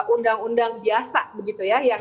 undang undang biasa begitu ya yang